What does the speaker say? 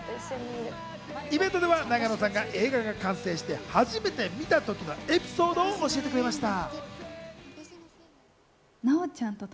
イベントでは永野さんが映画が完成して初めて見たときのエピソードを教えてくれました。